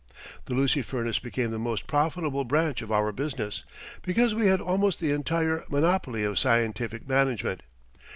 The Lucy Furnace became the most profitable branch of our business, because we had almost the entire monopoly of scientific management.